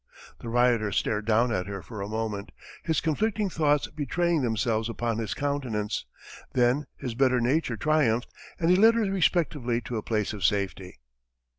The rioter stared down at her for a moment, his conflicting thoughts betraying themselves upon his countenance, then his better nature triumphed and he led her respectfully to a place of safety.